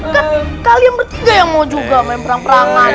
kan kalian bertiga yang mau juga main perang perangan